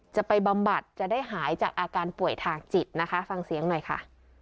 บำบัดจะได้หายจากอาการป่วยทางจิตนะคะฟังเสียงหน่อยค่ะ